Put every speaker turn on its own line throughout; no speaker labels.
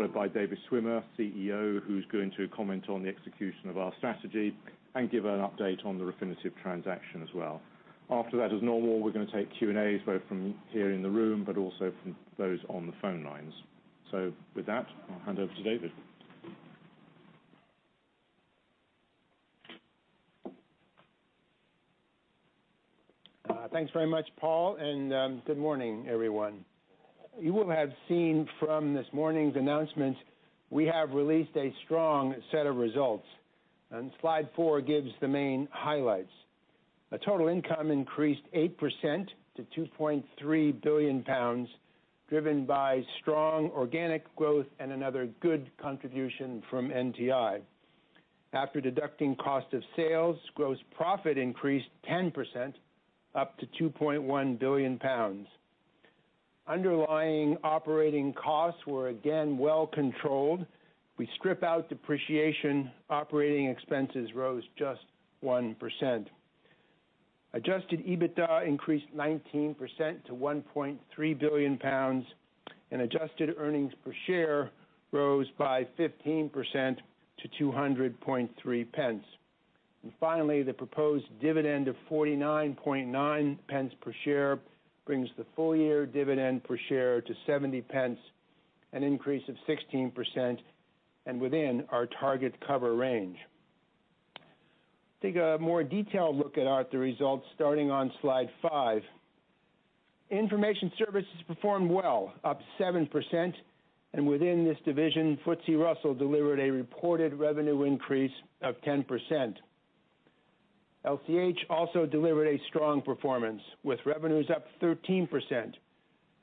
Followed by David Schwimmer, CEO, who's going to comment on the execution of our strategy and give an update on the Refinitiv transaction as well. After that, as normal, we're going to take Q&As both from here in the room but also from those on the phone lines. With that, I'll hand over to David.
Thanks very much, Paul. Good morning, everyone. You will have seen from this morning's announcement, we have released a strong set of results, and slide four gives the main highlights. A total income increased 8% to 2.3 billion pounds, driven by strong organic growth and another good contribution from NTI. After deducting cost of sales, gross profit increased 10%, up to 2.1 billion pounds. Underlying operating costs were again well controlled. We strip out depreciation. Operating expenses rose just 1%. Adjusted EBITDA increased 19% to 1.3 billion pounds, and adjusted earnings per share rose by 15% to 2.003. Finally, the proposed dividend of 0.499 per share brings the full-year dividend per share to 0.70, an increase of 16% and within our target cover range. Take a more detailed look at the results starting on slide five. Information services performed well, up 7%, and within this division, FTSE Russell delivered a reported revenue increase of 10%. LCH also delivered a strong performance, with revenues up 13%.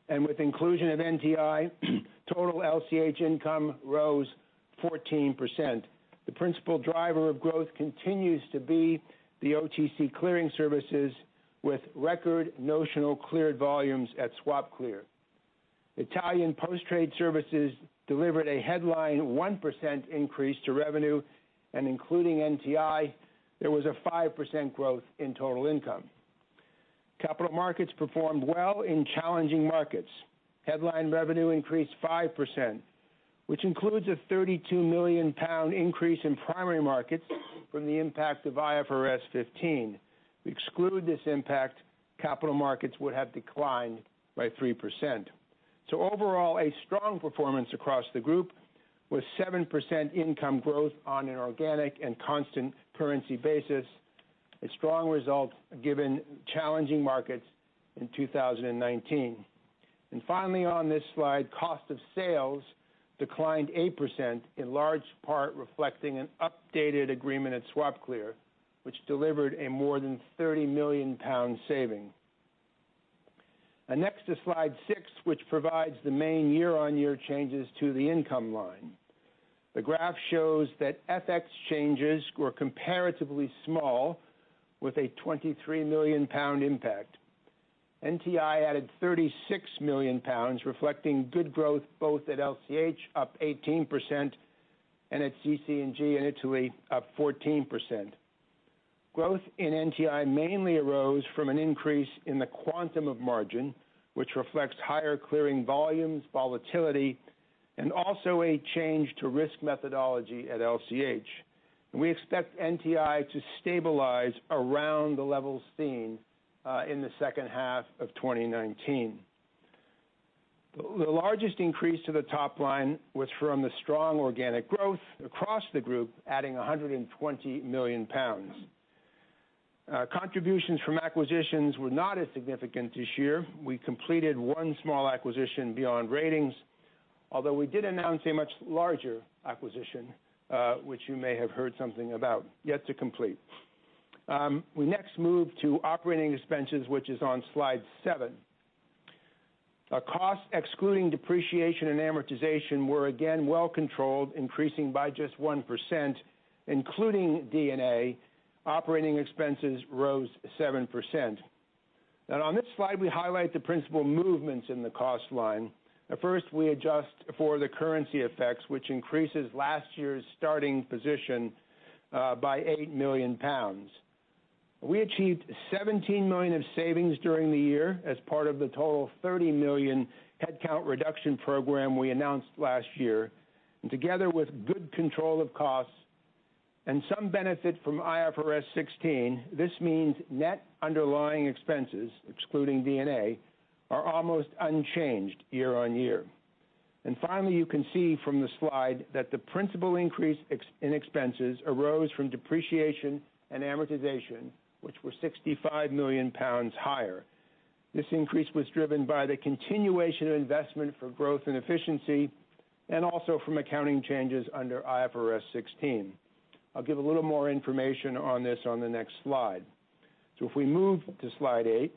With inclusion of NTI, total LCH income rose 14%. The principal driver of growth continues to be the OTC clearing services with record notional cleared volumes at SwapClear. Italian Post Trade Services delivered a headline 1% increase to revenue, and including NTI, there was a 5% growth in total income. Capital markets performed well in challenging markets. Headline revenue increased 5%, which includes a 32 million pound increase in primary markets from the impact of IFRS 15. If we exclude this impact, capital markets would have declined by 3%. Overall, a strong performance across the group with 7% income growth on an organic and constant currency basis, a strong result given challenging markets in 2019. Finally, on this slide, cost of sales declined 8%, in large part reflecting an updated agreement at SwapClear, which delivered a more than 30 million pound saving. Next to slide six, which provides the main year-on-year changes to the income line. The graph shows that FX changes were comparatively small with a 23 million pound impact. NTI added 36 million pounds, reflecting good growth both at LCH up 18% and at CC&G in Italy up 14%. Growth in NTI mainly arose from an increase in the quantum of margin, which reflects higher clearing volumes, volatility, and also a change to risk methodology at LCH. We expect NTI to stabilize around the levels seen in the second half of 2019. The largest increase to the top line was from the strong organic growth across the group, adding 120 million pounds. Contributions from acquisitions were not as significant this year. We completed one small acquisition, Beyond Ratings, although we did announce a much larger acquisition, which you may have heard something about, yet to complete. We next move to operating expenses, which is on slide seven. Our costs, excluding depreciation and amortization, were again well controlled, increasing by just 1%, including D&A. Operating expenses rose 7%. On this slide, we highlight the principal movements in the cost line. First, we adjust for the currency effects, which increases last year's starting position by 8 million pounds. We achieved 17 million of savings during the year as part of the total 30 million headcount reduction program we announced last year. Together with good control of costs and some benefit from IFRS 16, this means net underlying expenses, excluding D&A, are almost unchanged year-on-year. Finally, you can see from the slide that the principal increase in expenses arose from depreciation and amortization, which were 65 million pounds higher. This increase was driven by the continuation of investment for growth and efficiency and also from accounting changes under IFRS 16. I'll give a little more information on this on the next slide. If we move to slide eight,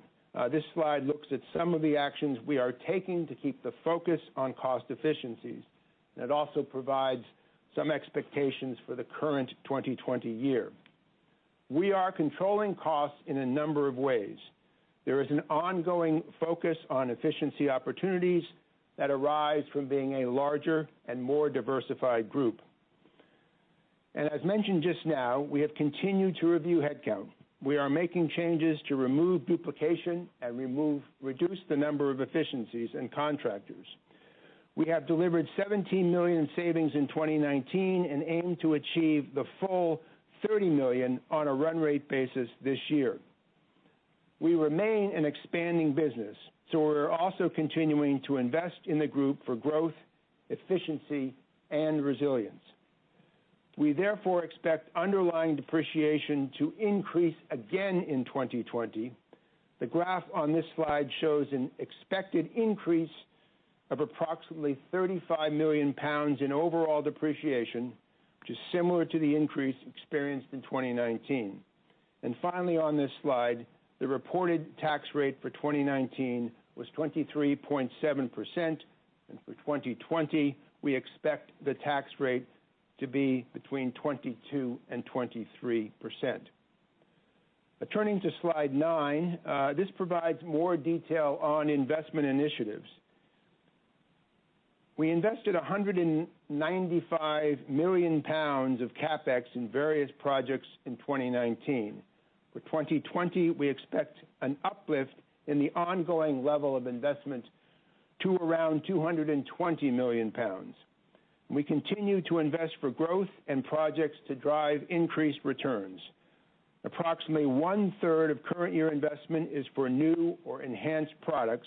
this slide looks at some of the actions we are taking to keep the focus on cost efficiencies. It also provides some expectations for the current 2020 year. We are controlling costs in a number of ways. There is an ongoing focus on efficiency opportunities that arise from being a larger and more diversified group. And as mentioned just now, we have continued to review headcount. We are making changes to remove duplication and reduce the number of efficiencies and contractors. We have delivered 17 million in savings in 2019. Aim to achieve the full 30 million on a run-rate basis this year. We remain an expanding business. We're also continuing to invest in the group for growth, efficiency, and resilience. We therefore expect underlying depreciation to increase again in 2020. The graph on this slide shows an expected increase of approximately 35 million pounds in overall depreciation, which is similar to the increase experienced in 2019. Finally, on this slide, the reported tax rate for 2019 was 23.7%, and for 2020, we expect the tax rate to be between 22% and 23%. Turning to slide nine, this provides more detail on investment initiatives. We invested 195 million pounds of CapEx in various projects in 2019. For 2020, we expect an uplift in the ongoing level of investment to around 220 million pounds. We continue to invest for growth and projects to drive increased returns. Approximately one-third of current year investment is for new or enhanced products,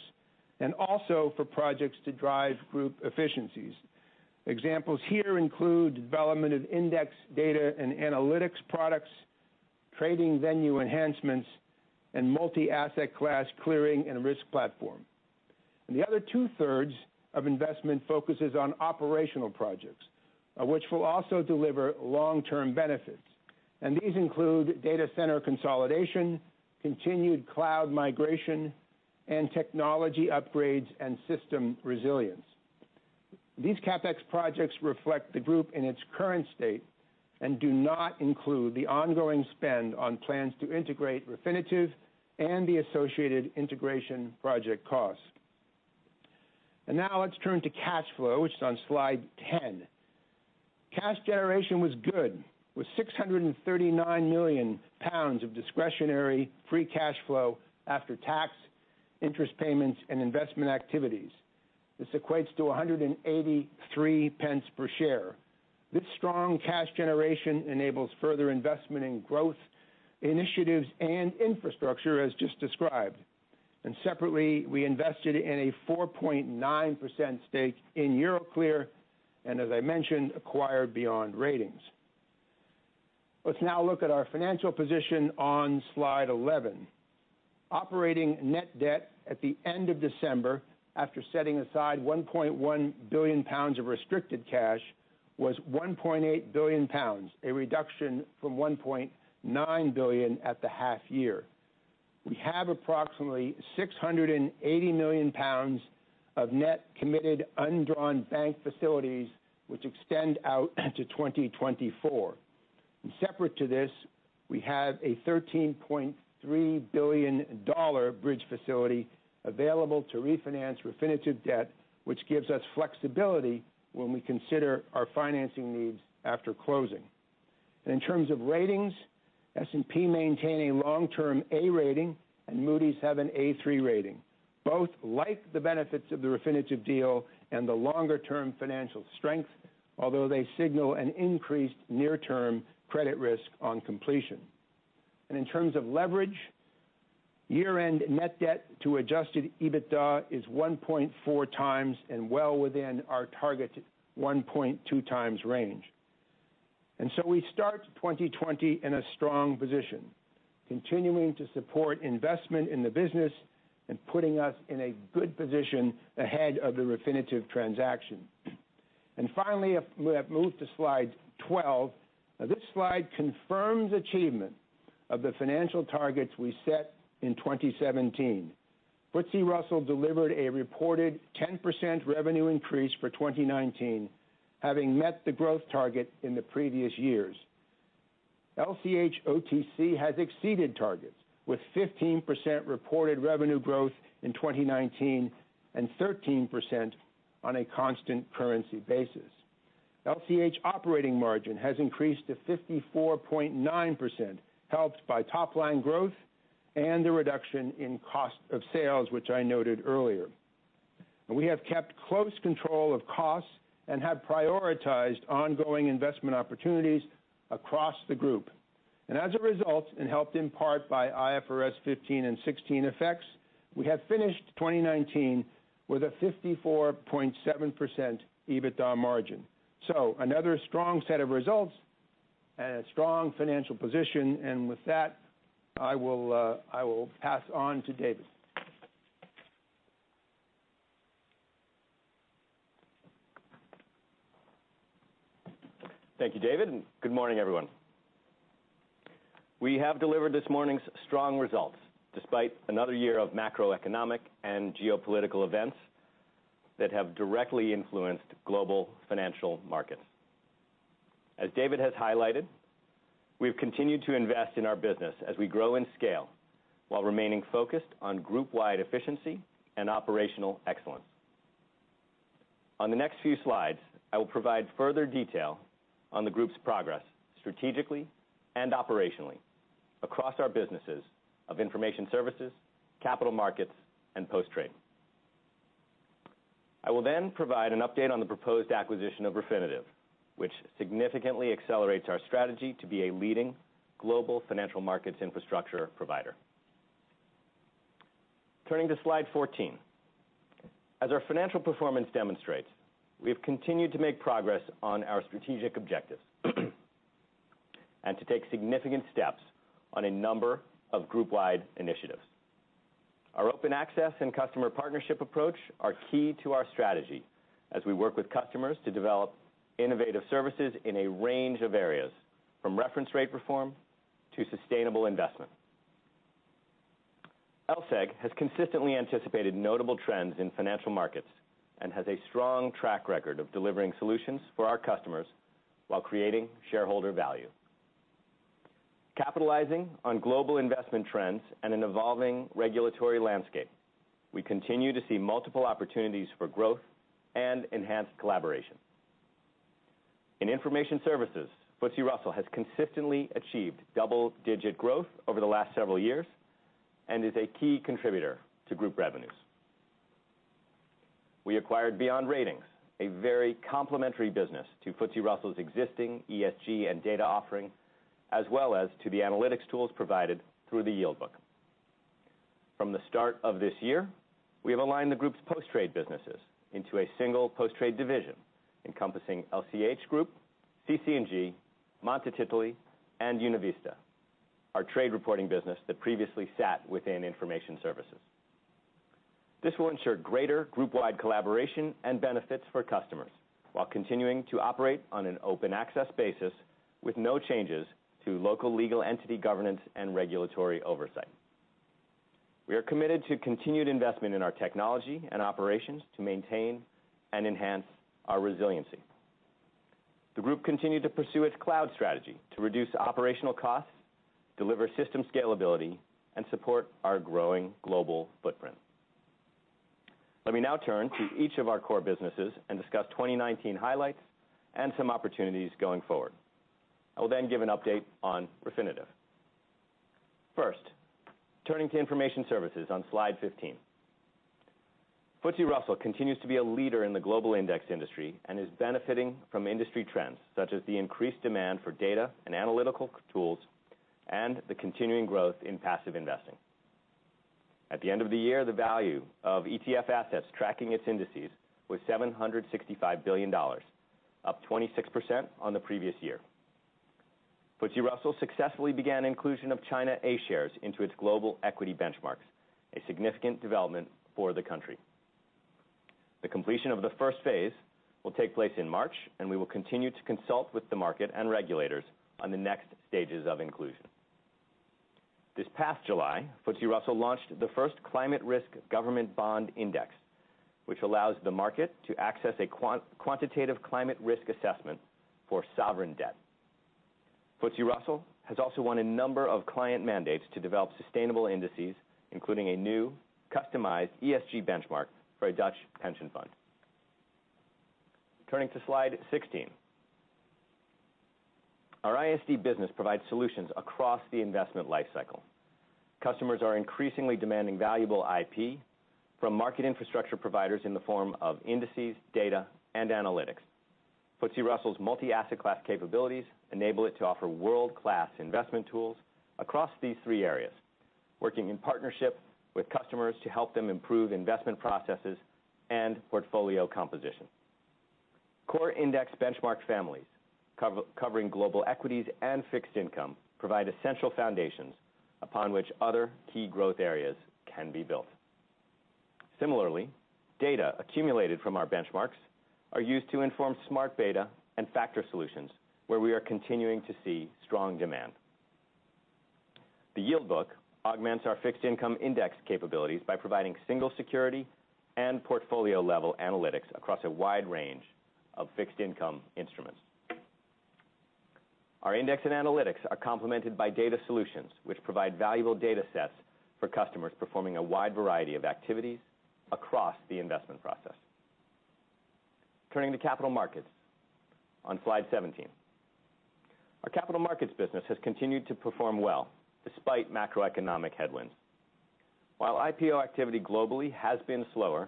and also for projects to drive group efficiencies. Examples here include development of index data and analytics products, trading venue enhancements, and multi-asset class clearing and risk platform. The other two-thirds of investment focuses on operational projects, which will also deliver long-term benefits. These include data center consolidation, continued cloud migration, and technology upgrades and system resilience. These CapEx projects reflect the group in its current state and do not include the ongoing spend on plans to integrate Refinitiv and the associated integration project costs. Now let's turn to cash flow, which is on slide 10. Cash generation was good, with 639 million pounds of discretionary free cash flow after tax, interest payments, and investment activities. This equates to 1.83 per share. This strong cash generation enables further investment in growth initiatives and infrastructure, as just described. Separately, we invested in a 4.9% stake in Euroclear and, as I mentioned, acquired Beyond Ratings. Let's now look at our financial position on slide 11. Operating net debt at the end of December after setting aside 1.1 billion pounds of restricted cash, was 1.8 billion pounds, a reduction from 1.9 billion at the half year. We have approximately 680 million pounds of net committed undrawn bank facilities, which extend out to 2024. Separate to this, we have a $13.3 billion bridge facility available to refinance Refinitiv debt, which gives us flexibility when we consider our financing needs after closing. In terms of ratings, S&P maintain a long-term A rating, and Moody's have an A3 rating. Both like the benefits of the Refinitiv deal and the longer-term financial strength, although they signal an increased near-term credit risk on completion. In terms of leverage, year-end net debt to adjusted EBITDA is 1.4 times and well within our target 1.2 times range. We start 2020 in a strong position, continuing to support investment in the business and putting us in a good position ahead of the Refinitiv transaction. If we have moved to slide 12. Now this slide confirms achievement of the financial targets we set in 2017. FTSE Russell delivered a reported 10% revenue increase for 2019, having met the growth target in the previous years. LCH OTC has exceeded targets, with 15% reported revenue growth in 2019 and 13% on a constant currency basis. LCH operating margin has increased to 54.9%, helped by top-line growth and the reduction in cost of sales, which I noted earlier. We have kept close control of costs and have prioritized ongoing investment opportunities across the group. As a result, and helped in part by IFRS 15 and 16 effects, we have finished 2019 with a 54.7% EBITDA margin. Another strong set of results and a strong financial position. With that, I will pass on to David.
Thank you, David. Good morning, everyone. We have delivered this morning's strong results despite another year of macroeconomic and geopolitical events that have directly influenced global financial markets. As David has highlighted, we've continued to invest in our business as we grow in scale while remaining focused on group-wide efficiency and operational excellence. On the next few slides, I will provide further detail on the Group's progress strategically and operationally across our businesses of Information Services, Capital Markets, and Post Trade. I will provide an update on the proposed acquisition of Refinitiv, which significantly accelerates our strategy to be a leading global financial markets infrastructure provider. Turning to slide 14. As our financial performance demonstrates, we have continued to make progress on our strategic objectives and to take significant steps on a number of group-wide initiatives. Our Open Access and customer partnership approach are key to our strategy as we work with customers to develop innovative services in a range of areas, from reference rate reform to sustainable investment. LSEG has consistently anticipated notable trends in financial markets and has a strong track record of delivering solutions for our customers while creating shareholder value. Capitalizing on global investment trends and an evolving regulatory landscape, we continue to see multiple opportunities for growth and enhanced collaboration. In information services, FTSE Russell has consistently achieved double-digit growth over the last several years and is a key contributor to group revenues. We acquired Beyond Ratings, a very complementary business to FTSE Russell's existing ESG and data offering, as well as to the analytics tools provided through the Yield Book. From the start of this year, we have aligned the group's post-trade businesses into a single post-trade division encompassing LCH Group, CC&G, Monte Titoli, and UnaVista, our trade reporting business that previously sat within Information Services. This will ensure greater group-wide collaboration and benefits for customers while continuing to operate on an Open Access basis with no changes to local legal entity governance and regulatory oversight. We are committed to continued investment in our technology and operations to maintain and enhance our resiliency. The group continued to pursue its cloud strategy to reduce operational costs, deliver system scalability, and support our growing global footprint. Let me now turn to each of our core businesses and discuss 2019 highlights and some opportunities going forward. I will then give an update on Refinitiv. First, turning to Information Services on slide 15. FTSE Russell continues to be a leader in the global index industry and is benefiting from industry trends such as the increased demand for data and analytical tools and the continuing growth in passive investing. At the end of the year, the value of ETF assets tracking its indices was $765 billion, up 26% on the previous year. FTSE Russell successfully began inclusion of China A shares into its global equity benchmarks, a significant development for the country. The completion of the first phase will take place in March, and we will continue to consult with the market and regulators on the next stages of inclusion. This past July, FTSE Russell launched the first Climate Risk Government Bond Index, which allows the market to access a quantitative climate risk assessment for sovereign debt. FTSE Russell has also won a number of client mandates to develop sustainable indices, including a new customized ESG benchmark for a Dutch pension fund. Turning to slide 16. Our ISD business provides solutions across the investment lifecycle. Customers are increasingly demanding valuable IP from market infrastructure providers in the form of indices, data, and analytics. FTSE Russell's multi-asset class capabilities enable it to offer world-class investment tools across these three areas, working in partnership with customers to help them improve investment processes and portfolio composition. Core index benchmark families covering global equities and fixed income provide essential foundations upon which other key growth areas can be built. Similarly, data accumulated from our benchmarks are used to inform smart beta and factor solutions where we are continuing to see strong demand. The Yield Book augments our fixed income index capabilities by providing single security and portfolio-level analytics across a wide range of fixed-income instruments. Our index and analytics are complemented by data solutions, which provide valuable datasets for customers performing a wide variety of activities across the investment process. Turning to capital markets on slide 17. Our capital markets business has continued to perform well despite macroeconomic headwinds. While IPO activity globally has been slower,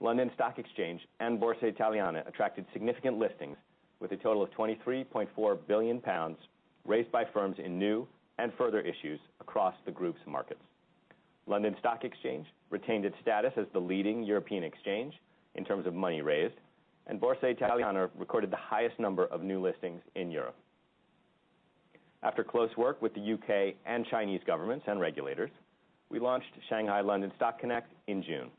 London Stock Exchange and Borsa Italiana attracted significant listings with a total of 23.4 billion pounds raised by firms in new and further issues across the group's markets. London Stock Exchange retained its status as the leading European exchange in terms of money raised, and Borsa Italiana recorded the highest number of new listings in Europe. After close work with the U.K. and Chinese governments and regulators, we launched Shanghai-London Stock Connect in June.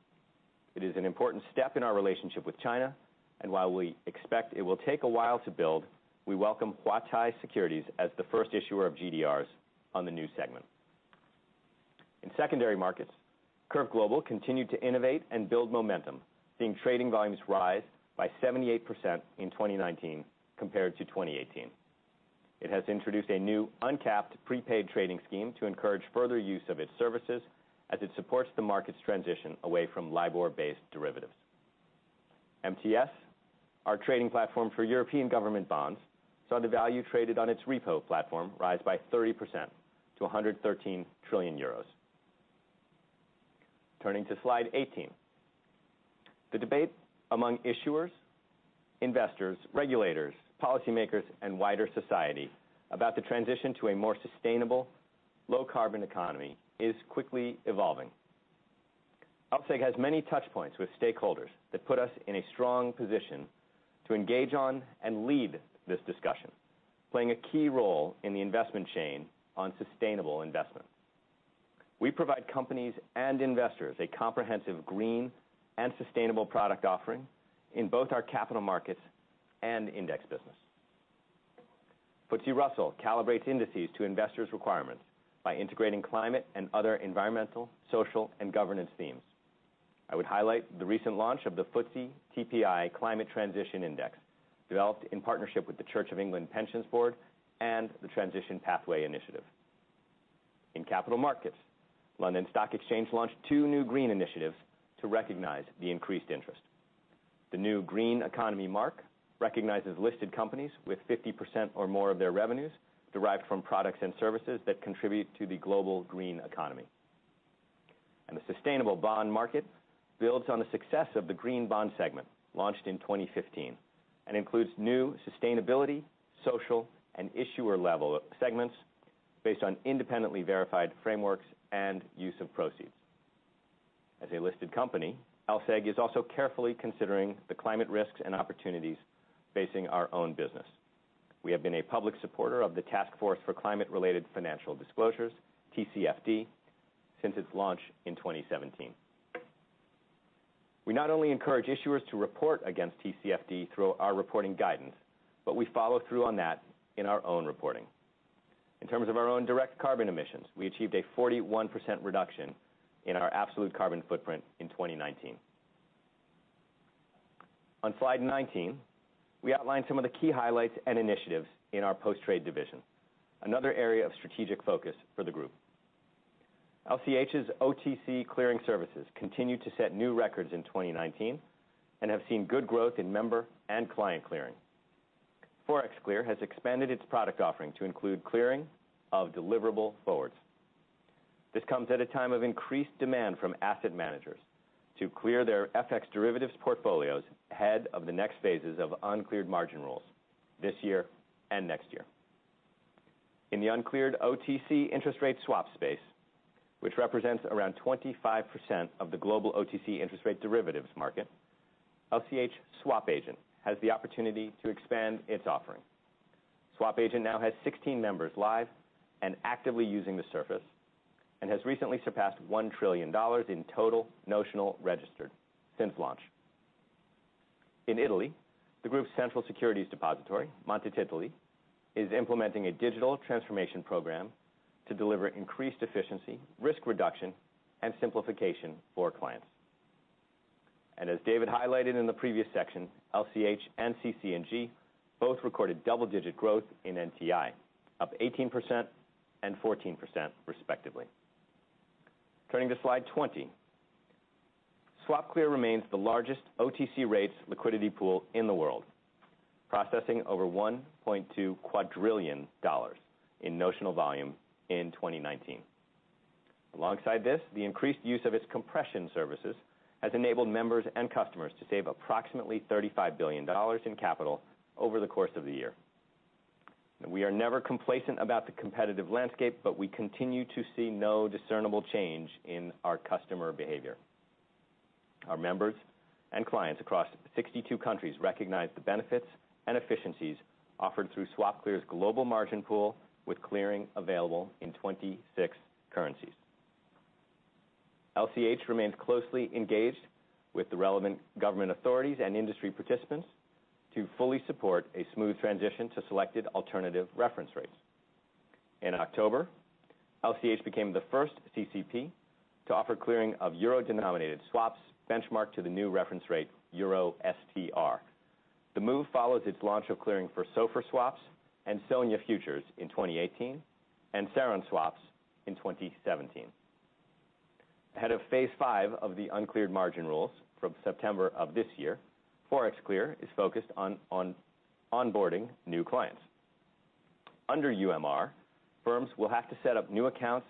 It is an important step in our relationship with China, and while we expect it will take a while to build, we welcome Huatai Securities as the first issuer of GDRs on the new segment. In secondary markets, CurveGlobal continued to innovate and build momentum, seeing trading volumes rise by 78% in 2019 compared to 2018. It has introduced a new uncapped prepaid trading scheme to encourage further use of its services as it supports the market's transition away from LIBOR-based derivatives. MTS, our trading platform for European government bonds, saw the value traded on its repo platform rise by 30% to €113 trillion. Turning to slide 18. The debate among issuers, investors, regulators, policymakers, and wider society about the transition to a more sustainable low-carbon economy is quickly evolving. LSEG has many touch points with stakeholders that put us in a strong position to engage on and lead this discussion, playing a key role in the investment chain on sustainable investment. We provide companies and investors a comprehensive green and sustainable product offering in both our capital markets and index business. FTSE Russell calibrates indices to investors' requirements by integrating climate and other environmental, social, and governance themes. I would highlight the recent launch of the FTSE TPI Climate Transition Index, developed in partnership with the Church of England Pensions Board and the Transition Pathway Initiative. In capital markets, London Stock Exchange launched two new green initiatives to recognize the increased interest. The new Green Economy Mark recognizes listed companies with 50% or more of their revenues derived from products and services that contribute to the global green economy. The sustainable bond market builds on the success of the green bond segment launched in 2015 and includes new sustainability, social, and issuer-level segments based on independently verified frameworks and use of proceeds. As a listed company, LSEG is also carefully considering the climate risks and opportunities facing our own business. We have been a public supporter of the Task Force on Climate-related Financial Disclosures, TCFD, since its launch in 2017. We not only encourage issuers to report against TCFD through our reporting guidance, but we follow through on that in our own reporting. In terms of our own direct carbon emissions, we achieved a 41% reduction in our absolute carbon footprint in 2019. On slide 19, we outline some of the key highlights and initiatives in our post-trade division, another area of strategic focus for the group. LCH's OTC clearing services continued to set new records in 2019 and have seen good growth in member and client clearing. ForexClear has expanded its product offering to include clearing of deliverable forwards. This comes at a time of increased demand from asset managers to clear their FX derivatives portfolios ahead of the next phases of uncleared margin rules this year and next year. In the uncleared OTC interest rate swap space, which represents around 25% of the global OTC interest rate derivatives market, LCH SwapAgent has the opportunity to expand its offering. SwapAgent now has 16 members live and actively using the service and has recently surpassed $1 trillion in total notional registered since launch. In Italy, the group's central securities depository, Monte Titoli, is implementing a digital transformation program to deliver increased efficiency, risk reduction, and simplification for clients. As David highlighted in the previous section, LCH and CC&G both recorded double-digit growth in NTI, up 18% and 14% respectively. Turning to slide 20. SwapClear remains the largest OTC rates liquidity pool in the world, processing over GBP 1.2 quadrillion in notional volume in 2019. Alongside this, the increased use of its compression services has enabled members and customers to save approximately GBP 35 billion in capital over the course of the year. We are never complacent about the competitive landscape, but we continue to see no discernible change in our customer behavior. Our members and clients across 62 countries recognize the benefits and efficiencies offered through SwapClear's global margin pool, with clearing available in 26 currencies. LCH remains closely engaged with the relevant government authorities and industry participants to fully support a smooth transition to selected alternative reference rates. In October, LCH became the first CCP to offer clearing of euro-denominated swaps benchmarked to the new reference rate, €STR. The move follows its launch of clearing for SOFR swaps and SONIA futures in 2018 and SARON swaps in 2017. Ahead of phase 5 of the uncleared margin rules from September of this year, ForexClear is focused on onboarding new clients. Under UMR, firms will have to set up new accounts,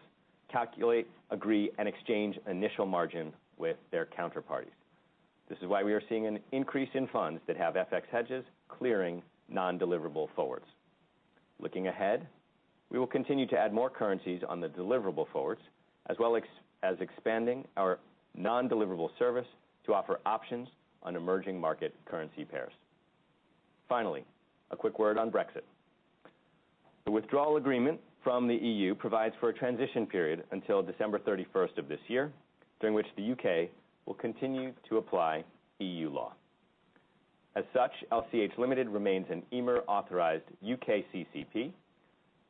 calculate, agree, and exchange initial margin with their counterparties. This is why we are seeing an increase in funds that have FX hedges clearing non-deliverable forwards. Looking ahead, we will continue to add more currencies on the deliverable forwards, as well as expanding our non-deliverable service to offer options on emerging market currency pairs. Finally, a quick word on Brexit. The withdrawal agreement from the EU provides for a transition period until December 31st of this year, during which the U.K. will continue to apply EU law. As such, LCH Limited remains an EMIR-authorized U.K. CCP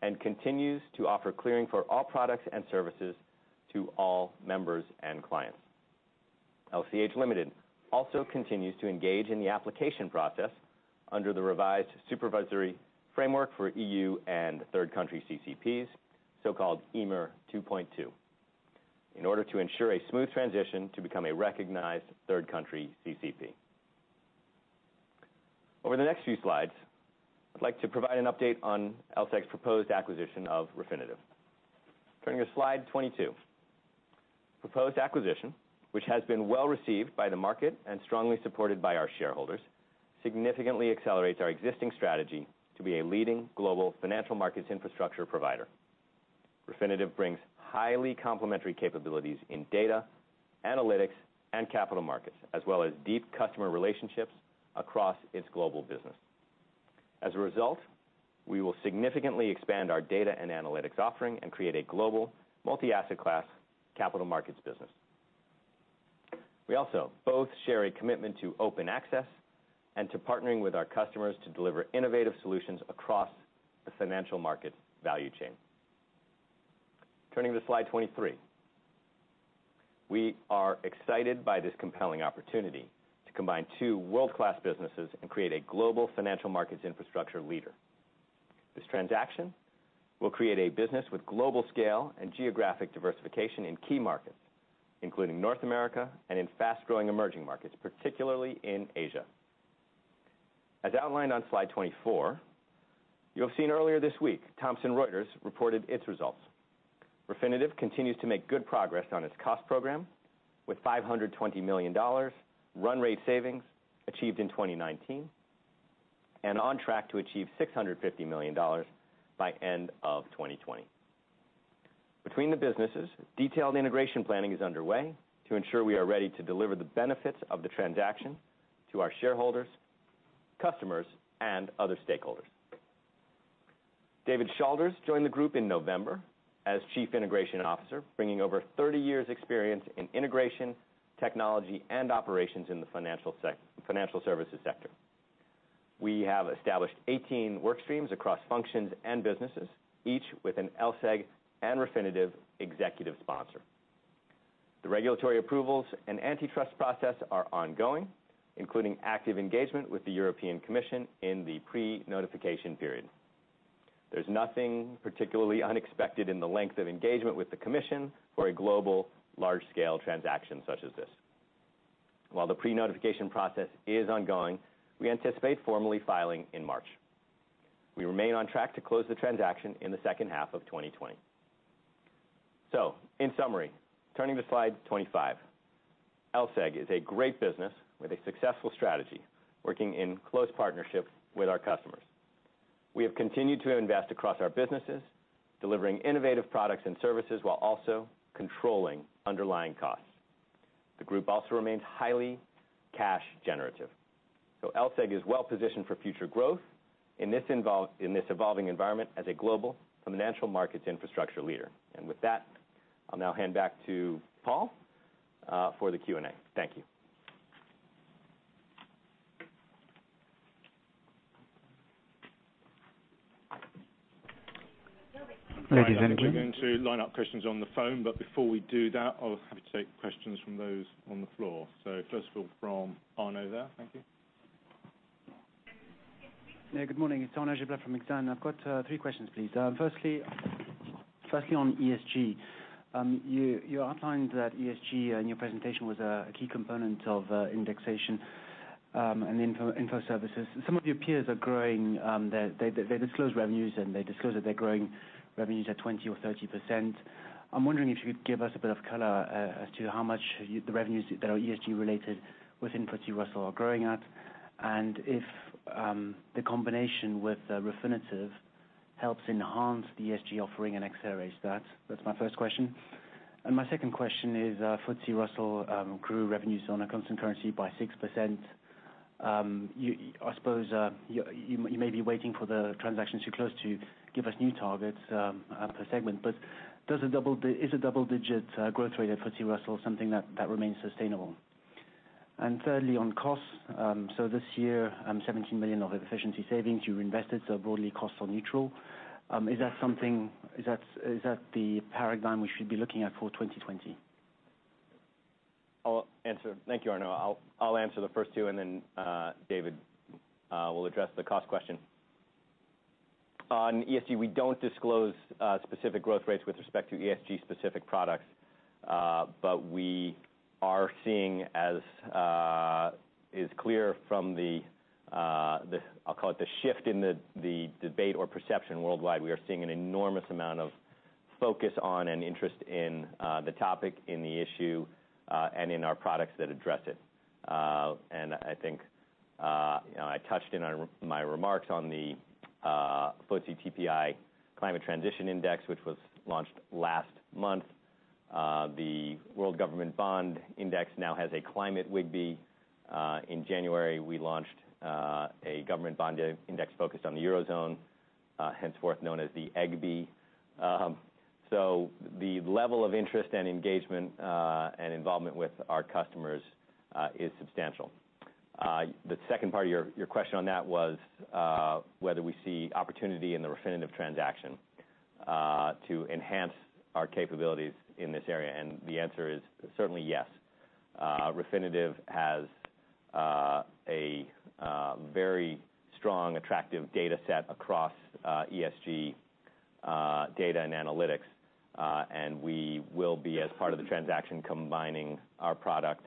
and continues to offer clearing for all products and services to all members and clients. LCH Limited also continues to engage in the application process under the revised supervisory framework for EU and third country CCPs, so-called EMIR 2.2, in order to ensure a smooth transition to become a recognized third country CCP. Over the next few slides, I'd like to provide an update on LSEG's proposed acquisition of Refinitiv. Turning to slide 22. Proposed acquisition, which has been well-received by the market and strongly supported by our shareholders, significantly accelerates our existing strategy to be a leading global financial markets infrastructure provider. Refinitiv brings highly complementary capabilities in data, analytics, and capital markets, as well as deep customer relationships across its global business. As a result, we will significantly expand our data and analytics offering and create a global multi-asset class capital markets business. We also both share a commitment to Open Access and to partnering with our customers to deliver innovative solutions across the financial markets value chain. Turning to slide 23. We are excited by this compelling opportunity to combine two world-class businesses and create a global financial markets infrastructure leader. This transaction will create a business with global scale and geographic diversification in key markets, including North America and in fast-growing emerging markets, particularly in Asia. As outlined on slide 24, you will have seen earlier this week, Thomson Reuters reported its results. Refinitiv continues to make good progress on its cost program with GBP 520 million run rate savings achieved in 2019, on track to achieve GBP 650 million by end of 2020. Between the businesses, detailed integration planning is underway to ensure we are ready to deliver the benefits of the transaction to our shareholders, customers, and other stakeholders. David Shalders joined the group in November as Chief Integration Officer, bringing over 30 years experience in integration, technology, and operations in the financial services sector. We have established 18 work streams across functions and businesses, each with an LSEG and Refinitiv executive sponsor. The regulatory approvals and antitrust process are ongoing, including active engagement with the European Commission in the pre-notification period. There's nothing particularly unexpected in the length of engagement with the Commission for a global large-scale transaction such as this. While the pre-notification process is ongoing, we anticipate formally filing in March. We remain on track to close the transaction in the second half of 2020. In summary, turning to slide 25. LSEG is a great business with a successful strategy, working in close partnership with our customers. We have continued to invest across our businesses, delivering innovative products and services while also controlling underlying costs. The group also remains highly cash generative. LSEG is well-positioned for future growth in this evolving environment as a global financial markets infrastructure leader. With that, I'll now hand back to Paul for the Q&A. Thank you.
Right. We're going to line up questions on the phone. Before we do that, I'll be happy to take questions from those on the floor. First of all, from Arnaud there. Thank you.
Yeah. Good morning. It's Arnaud Giblain from Exane. I've got three questions, please. Firstly, on ESG. You outlined that ESG in your presentation was a key component of indexation and info services. Some of your peers are growing. They disclose revenues, and they disclose that they're growing revenues at 20% or 30%. I'm wondering if you could give us a bit of color as to how much the revenues that are ESG related within FTSE Russell are growing at, and if the combination with Refinitiv helps enhance the ESG offering and accelerates that. That's my first question. My second question is, FTSE Russell grew revenues on a constant currency by 6%. I suppose you may be waiting for the transaction to close to give us new targets per segment. Is a double-digit growth rate at FTSE Russell something that remains sustainable? Thirdly, on costs. This year 17 million of efficiency savings you've invested, so broadly cost neutral. Is that the paradigm we should be looking at for 2020?
I'll answer. Thank you, Arnaud. I'll answer the first two, and then David will address the cost question. On ESG, we don't disclose specific growth rates with respect to ESG-specific products. We are seeing as is clear from the, I'll call it, the shift in the debate or perception worldwide. We are seeing an enormous amount of focus on and interest in the topic, in the issue, and in our products that address it. I think, I touched in on my remarks on the FTSE TPI Climate Transition Index, which was launched last month. The World Government Bond Index now has a Climate WGBI. In January, we launched a government bond index focused on the Eurozone, henceforth known as the EGBI. The level of interest and engagement, and involvement with our customers, is substantial. The second part of your question on that was, whether we see opportunity in the Refinitiv transaction to enhance our capabilities in this area, the answer is certainly yes. Refinitiv has a very strong, attractive data set across ESG data and analytics. We will be, as part of the transaction, combining our product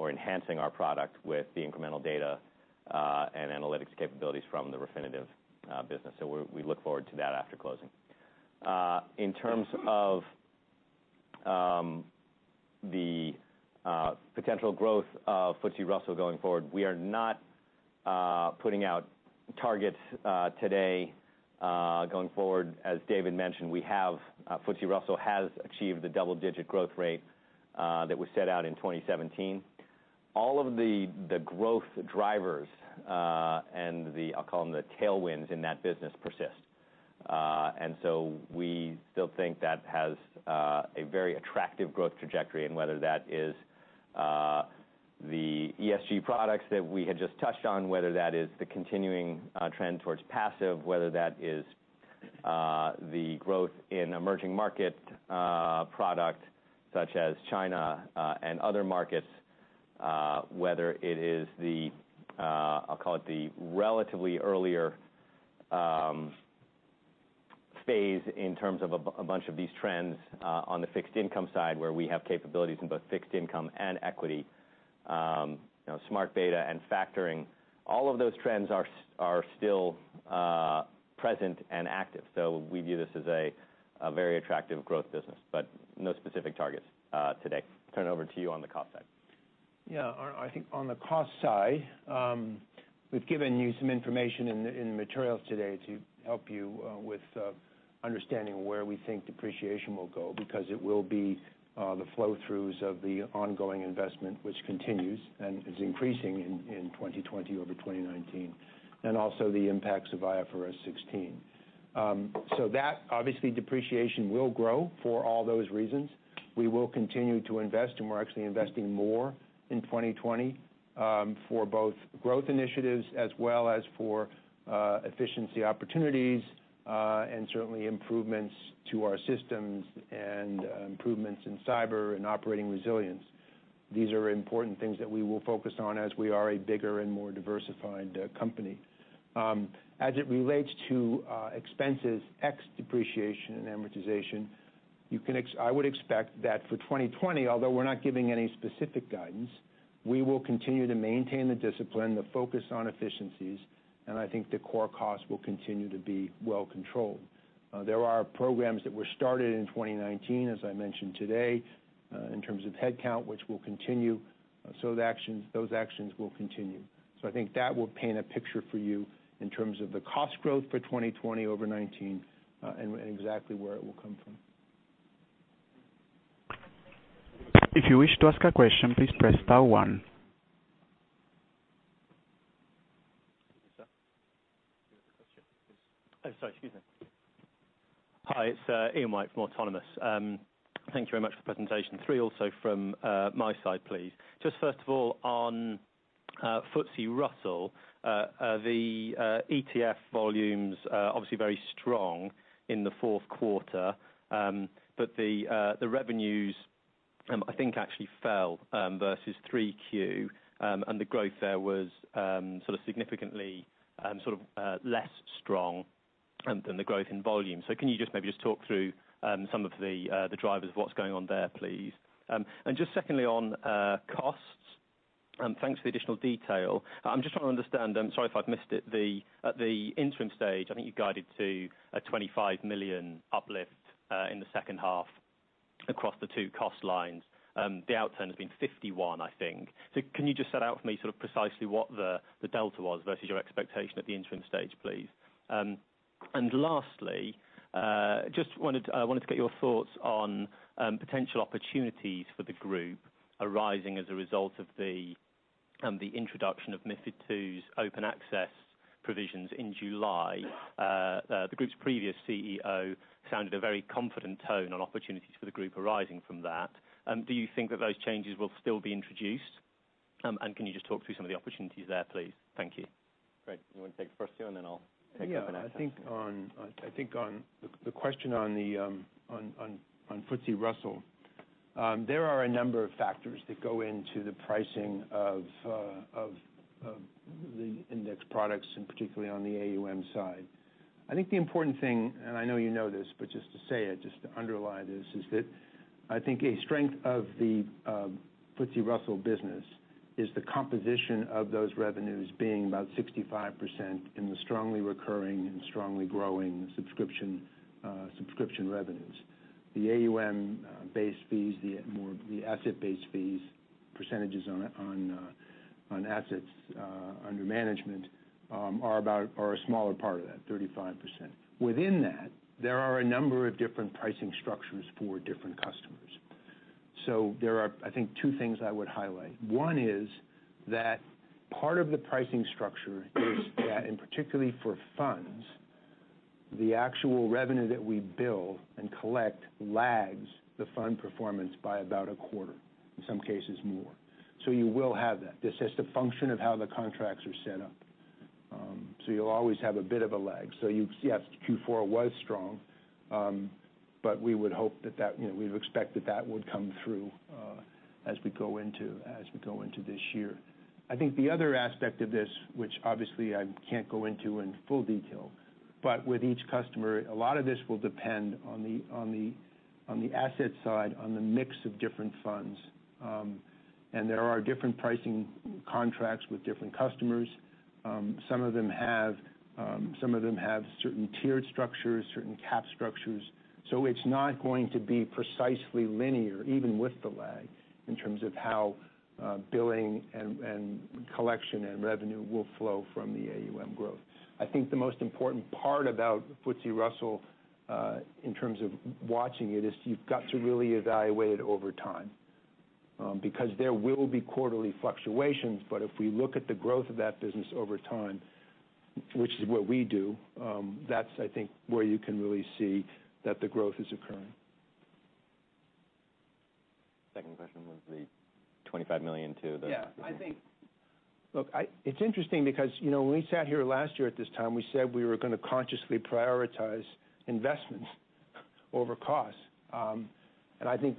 or enhancing our product with the incremental data and analytics capabilities from the Refinitiv business. We look forward to that after closing. In terms of the potential growth of FTSE Russell going forward, we are not putting out targets today. Going forward, as David mentioned, FTSE Russell has achieved the double-digit growth rate that was set out in 2017. All of the growth drivers, and I'll call them the tailwinds in that business, persist. We still think that has a very attractive growth trajectory in whether that is the ESG products that we had just touched on, whether that is the continuing trend towards passive, whether that is the growth in emerging market product such as China, and other markets, whether it is the, I'll call it the relatively earlier phase in terms of a bunch of these trends on the fixed income side, where we have capabilities in both fixed income and equity, smart beta and factoring. All of those trends are still present and active. We view this as a very attractive growth business, but no specific targets today. Turn it over to you on the cost side.
Yeah, I think on the cost side, we've given you some information in the materials today to help you with understanding where we think depreciation will go. It will be the flow-throughs of the ongoing investment which continues and is increasing in 2020 over 2019, and also the impacts of IFRS 16. Obviously, depreciation will grow for all those reasons. We will continue to invest, and we're actually investing more in 2020 for both growth initiatives as well as for efficiency opportunities, and certainly improvements to our systems and improvements in cyber and operating resilience. These are important things that we will focus on as we are a bigger and more diversified company. As it relates to expenses, ex depreciation and amortization, I would expect that for 2020, although we're not giving any specific guidance, we will continue to maintain the discipline, the focus on efficiencies, and I think the core costs will continue to be well controlled. There are programs that were started in 2019, as I mentioned today, in terms of headcount, which will continue. Those actions will continue. I think that will paint a picture for you in terms of the cost growth for 2020 over 2019, and exactly where it will come from.
If you wish to ask a question, please press star one.
Sir, do you have a question, please?
Oh, sorry. Excuse me. Hi, it's Ian White from Autonomous. Thank you very much for the presentation. Three also from my side, please. Just first of all, on FTSE Russell, the ETF volumes are obviously very strong in the fourth quarter. The revenues, I think, actually fell versus 3Q. The growth there was significantly less strong than the growth in volume. Can you just maybe talk through some of the drivers of what's going on there, please? Just secondly on costs, and thanks for the additional detail. I'm just trying to understand, sorry if I've missed it, at the interim stage, I think you guided to a 25 million uplift in the second half across the two cost lines. The outturn has been 51, I think. Can you just set out for me precisely what the delta was versus your expectation at the interim stage, please? Lastly, just wanted to get your thoughts on potential opportunities for the group arising as a result of the introduction of MiFID II's Open Access provisions in July. The group's previous CEO sounded a very confident tone on opportunities for the group arising from that. Do you think that those changes will still be introduced? Can you just talk through some of the opportunities there, please? Thank you.
Great. You want to take the first two, and then I'll take Open Access.
I think on the question on FTSE Russell, there are a number of factors that go into the pricing of the index products, and particularly on the AUM side. I think the important thing, and I know you know this, but just to say it, just to underline this, is that I think a strength of the FTSE Russell business is the composition of those revenues being about 65% in the strongly recurring and strongly growing subscription revenues. The AUM-based fees, the asset-based fees, percentages on assets under management are a smaller part of that, 35%. Within that, there are a number of different pricing structures for different customers. There are, I think, two things I would highlight. One is that part of the pricing structure is that, and particularly for funds. The actual revenue that we bill and collect lags the fund performance by about a quarter, in some cases more. You will have that. This is the function of how the contracts are set up. You'll always have a bit of a lag. You see Q4 was strong, but we would expect that that would come through as we go into this year. I think the other aspect of this, which obviously I can't go into in full detail, but with each customer, a lot of this will depend on the asset side, on the mix of different funds. There are different pricing contracts with different customers. Some of them have certain tiered structures, certain cap structures. It's not going to be precisely linear, even with the lag, in terms of how billing and collection and revenue will flow from the AUM growth. I think the most important part about FTSE Russell, in terms of watching it, is you've got to really evaluate it over time, because there will be quarterly fluctuations. If we look at the growth of that business over time, which is what we do, that's, I think, where you can really see that the growth is occurring.
Second question was the 25 million to the.
Yeah. Look, it's interesting because when we sat here last year at this time, we said we were going to consciously prioritize investments over costs. I think,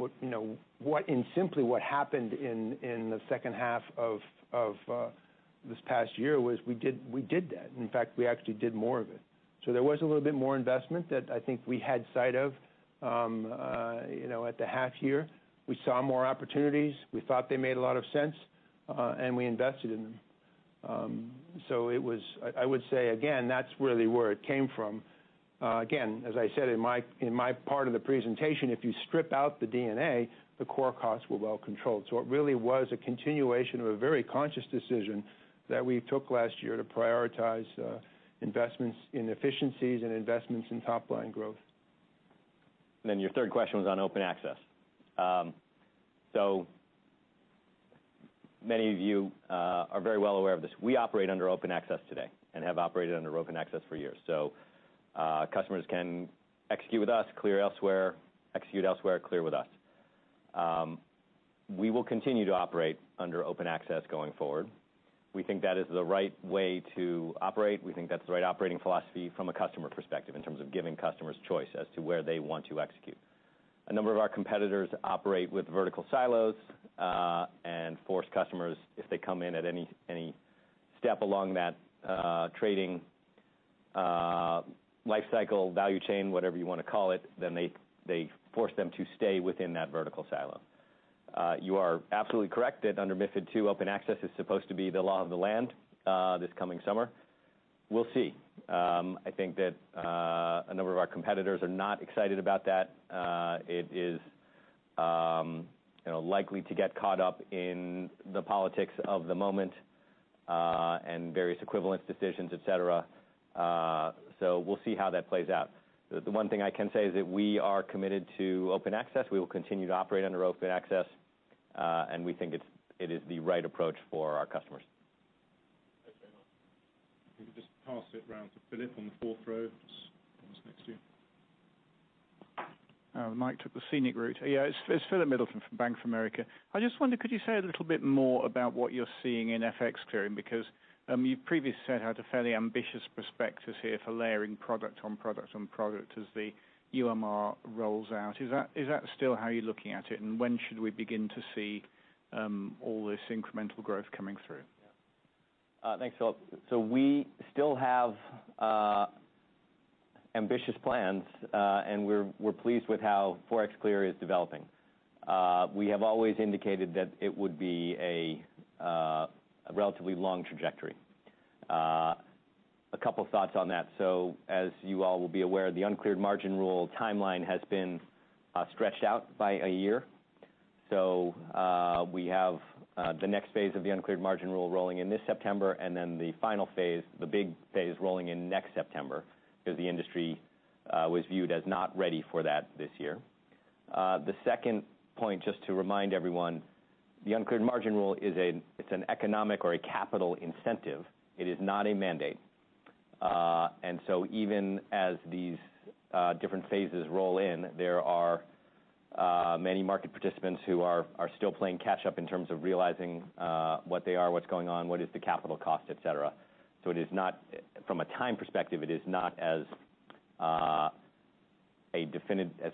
simply what happened in the second half of this past year was we did that. In fact, we actually did more of it. There was a little bit more investment that I think we had sight of at the half year. We saw more opportunities. We thought they made a lot of sense, and we invested in them. I would say, again, that's really where it came from. Again, as I said in my part of the presentation, if you strip out the D&A, the core costs were well controlled. It really was a continuation of a very conscious decision that we took last year to prioritize investments in efficiencies and investments in top-line growth.
Your third question was on Open Access. Many of you are very well aware of this. We operate under Open Access today and have operated under Open Access for years. Customers can execute with us, clear elsewhere, execute elsewhere, clear with us. We will continue to operate under Open Access going forward. We think that is the right way to operate. We think that's the right operating philosophy from a customer perspective, in terms of giving customers choice as to where they want to execute. A number of our competitors operate with vertical silos, and force customers if they come in at any step along that trading life cycle, value chain, whatever you want to call it, then they force them to stay within that vertical silo. You are absolutely correct that under MiFID II, Open Access is supposed to be the law of the land this coming summer. We'll see. I think that a number of our competitors are not excited about that. It is likely to get caught up in the politics of the moment, and various equivalence decisions, etc. We'll see how that plays out. The one thing I can say is that we are committed to Open Access. We will continue to operate under Open Access, and we think it is the right approach for our customers.
Thanks very much. If you could just pass it round to Philip on the fourth row. He's next to you.
Oh, the mic took the scenic route. Yeah, it's Philip Middleton from Bank of America. I just wonder, could you say a little bit more about what you're seeing in FX clearing? You previously said you had a fairly ambitious prospectus here for layering product on product on product as the UMR rolls out. Is that still how you're looking at it, and when should we begin to see all this incremental growth coming through?
Yeah. Thanks, Philip. We still have ambitious plans, and we're pleased with how ForexClear is developing. We have always indicated that it would be a relatively long trajectory. A couple thoughts on that. As you all will be aware, the uncleared margin rules timeline has been stretched out by a year. We have the next phase of the uncleared margin rules rolling in this September, and then the final phase, the big phase, rolling in next September, because the industry was viewed as not ready for that this year. The second point, just to remind everyone, the uncleared margin rules is an economic or a capital incentive. It is not a mandate. Even as these different phases roll in, there are many market participants who are still playing catch up in terms of realizing what they are, what's going on, what is the capital cost, et cetera. From a time perspective, it is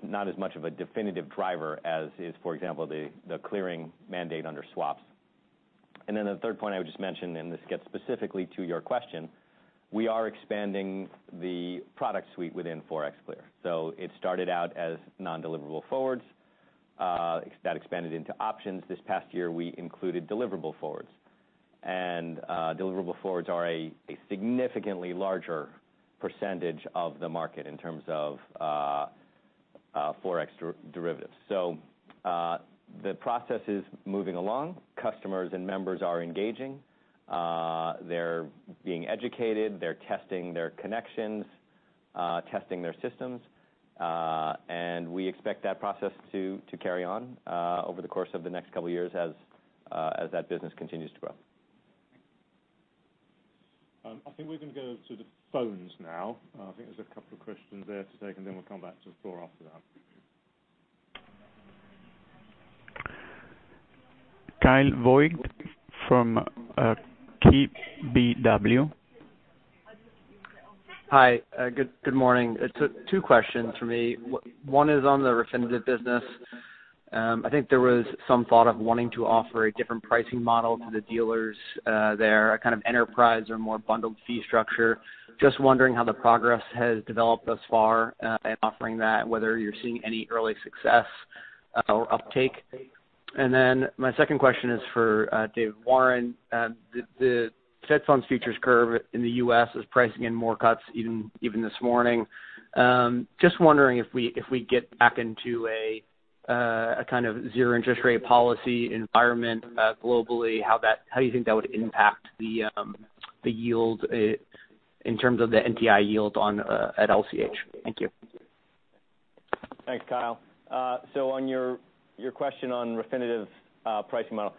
not as much of a definitive driver as is, for example, the clearing mandate under swaps. The third point I would just mention, and this gets specifically to your question, we are expanding the product suite within ForexClear. It started out as non-deliverable forwards. That expanded into options. This past year, we included deliverable forwards, and deliverable forwards are a significantly larger percentage of the market in terms of Forex derivatives. The process is moving along. Customers and members are engaging. They're being educated. They're testing their connections, testing their systems. We expect that process to carry on over the course of the next couple of years as that business continues to grow.
I think we're going to go to the phones now. I think there's a couple of questions there to take, and then we'll come back to the floor after that.
Kyle Voigt from KBW.
Hi. Good morning. Two questions for me. One is on the Refinitiv business. I think there was some thought of wanting to offer a different pricing model to the dealers there, a kind of enterprise or more bundled fee structure. Just wondering how the progress has developed thus far in offering that, whether you're seeing any early success or uptake. My second question is for David Warren. The Fed funds features curve in the U.S. is pricing in more cuts even this morning. Just wondering if we get back into a kind of zero interest rate policy environment globally, how do you think that would impact the yield in terms of the NTI yield at LCH? Thank you.
Thanks, Kyle. On your question on Refinitiv's pricing model,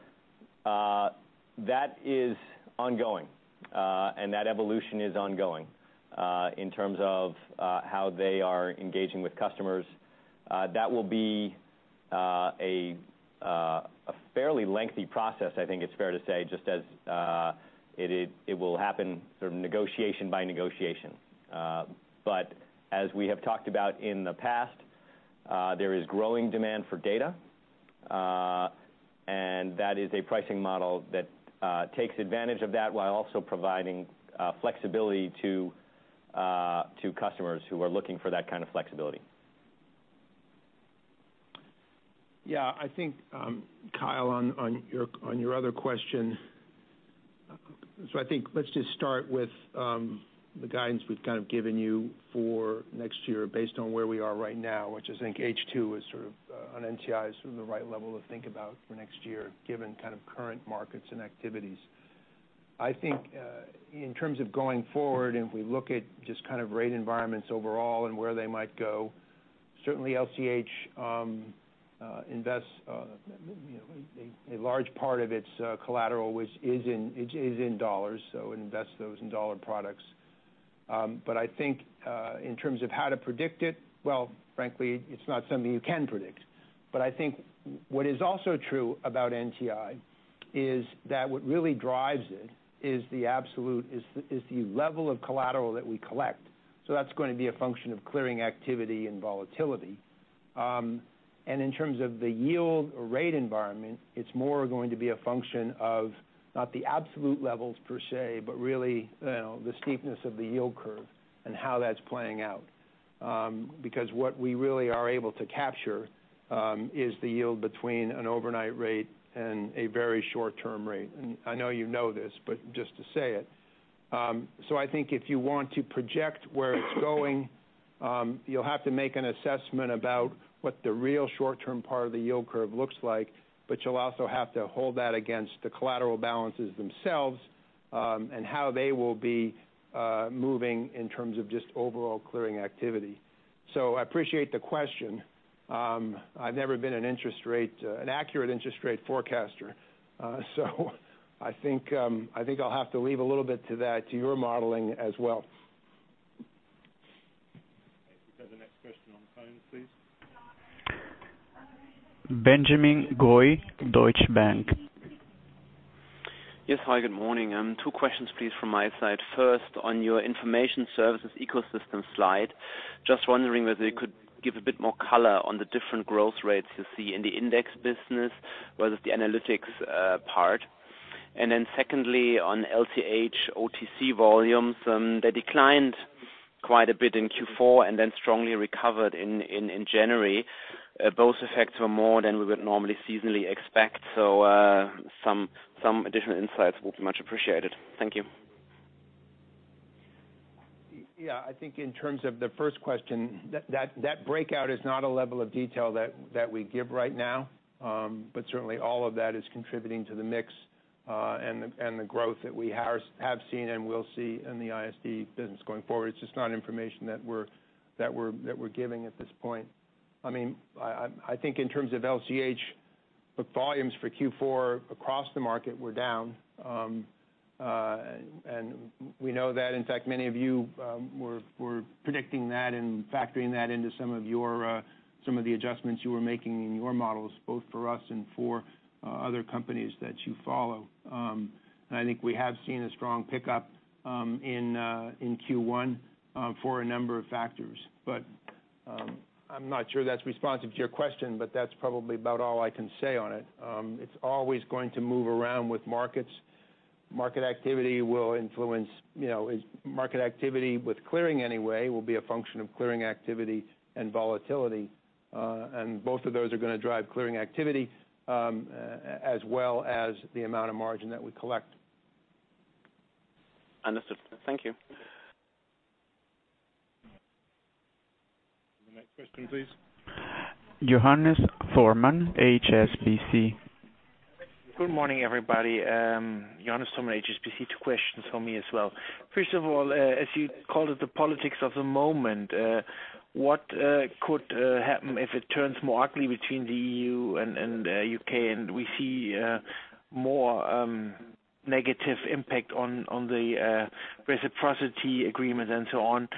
that is ongoing, and that evolution is ongoing, in terms of how they are engaging with customers. That will be a fairly lengthy process, I think it's fair to say, just as it will happen sort of negotiation by negotiation. As we have talked about in the past, there is growing demand for data, and that is a pricing model that takes advantage of that while also providing flexibility to customers who are looking for that kind of flexibility.
I think, Kyle, on your other question. I think let's just start with the guidance we've kind of given you for next year based on where we are right now, which I think H2 is sort of on NTI is sort of the right level to think about for next year, given kind of current markets and activities. I think, in terms of going forward, and if we look at just kind of rate environments overall and where they might go, certainly LCH invests a large part of its collateral, which is in dollars, so it invests those in dollar products. I think, in terms of how to predict it, well, frankly, it's not something you can predict. I think what is also true about NTI is that what really drives it is the level of collateral that we collect. That's going to be a function of clearing activity and volatility. In terms of the yield or rate environment, it's more going to be a function of not the absolute levels per se, but really the steepness of the yield curve and how that's playing out. Because what we really are able to capture is the yield between an overnight rate and a very short-term rate. I know you know this, but just to say it. I think if you want to project where it's going, you'll have to make an assessment about what the real short-term part of the yield curve looks like, but you'll also have to hold that against the collateral balances themselves, and how they will be moving in terms of just overall clearing activity. I appreciate the question. I've never been an accurate interest rate forecaster. I think I'll have to leave a little bit to that to your modeling as well. Okay, can we take the next question on the phone, please?
Benjamin Goy, Deutsche Bank.
Yes. Hi, good morning. Two questions, please, from my side. First, on your information services ecosystem slide, just wondering whether you could give a bit more color on the different growth rates you see in the index business, whether it's the analytics part. Secondly, on LCH OTC volumes, they declined quite a bit in Q4 and then strongly recovered in January. Both effects were more than we would normally seasonally expect. Some additional insights would be much appreciated. Thank you.
Yeah, I think in terms of the first question, that breakout is not a level of detail that we give right now. Certainly, all of that is contributing to the mix and the growth that we have seen and will see in the ISD business going forward. It's just not information that we're giving at this point. I think in terms of LCH, look, volumes for Q4 across the market were down. We know that, in fact, many of you were predicting that and factoring that into some of the adjustments you were making in your models, both for us and for other companies that you follow. I think we have seen a strong pickup in Q1 for a number of factors. I'm not sure that's responsive to your question, but that's probably about all I can say on it. It's always going to move around with markets. Market activity with clearing, anyway, will be a function of clearing activity and volatility. Both of those are going to drive clearing activity, as well as the amount of margin that we collect.
Understood. Thank you.
The next question, please.
Johannes Thormann, HSBC
Good morning, everybody. Johannes from HSBC. Two questions from me as well. First of all, as you called it, the politics of the moment, what could happen if it turns more ugly between the EU and UK and we see more negative impact on the reciprocity agreement and so on?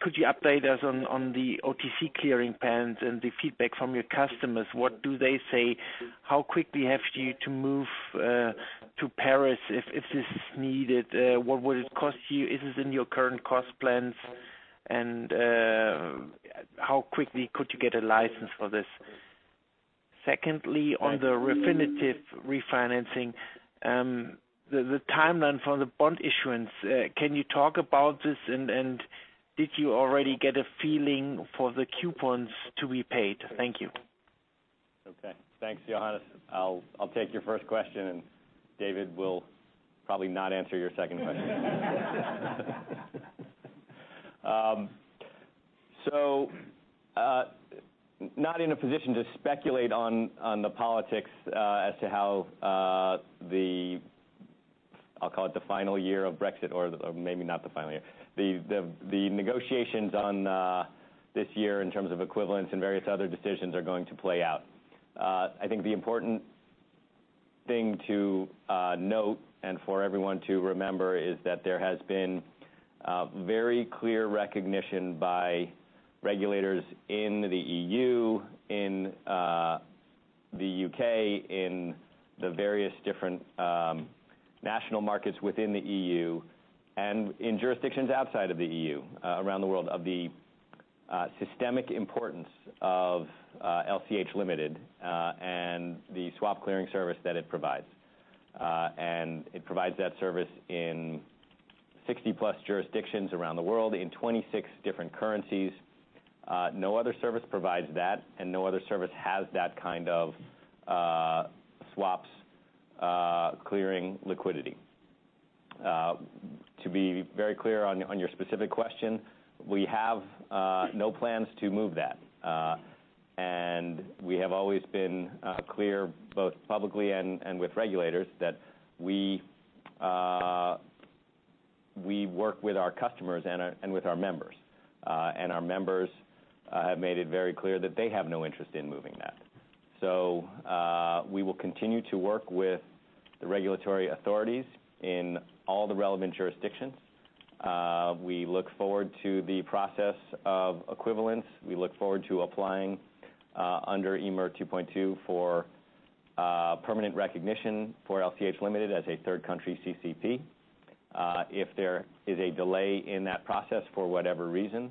Could you update us on the OTC clearing plans and the feedback from your customers? What do they say? How quickly have you to move to Paris if this is needed? What would it cost you? Is this in your current cost plans? How quickly could you get a license for this? Secondly, on the Refinitiv refinancing, the timeline for the bond issuance, can you talk about this and did you already get a feeling for the coupons to be paid? Thank you.
Okay. Thanks, Johannes. I'll take your first question. David will probably not answer your second question. Not in a position to speculate on the politics as to how the, I'll call it the final year of Brexit, or maybe not the final year, the negotiations on this year in terms of equivalence and various other decisions are going to play out. I think the important thing to note and for everyone to remember is that there has been very clear recognition by regulators in the EU, in the U.K., in the various different national markets within the EU, and in jurisdictions outside of the EU, around the world, of the systemic importance of LCH Limited, and the swap clearing service that it provides. It provides that service in 60-plus jurisdictions around the world, in 26 different currencies. No other service provides that, and no other service has that kind of swaps clearing liquidity. To be very clear on your specific question, we have no plans to move that. We have always been clear, both publicly and with regulators, that we work with our customers and with our members. Our members have made it very clear that they have no interest in moving that. We will continue to work with the regulatory authorities in all the relevant jurisdictions. We look forward to the process of equivalence. We look forward to applying under EMIR 2.2 for permanent recognition for LCH Limited as a third country CCP. If there is a delay in that process for whatever reason,